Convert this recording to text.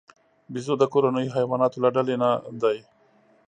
بیزو د کورنیو حیواناتو له ډلې نه دی.